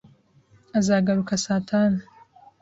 Azagaruka saa tanu.